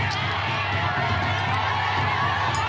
อีก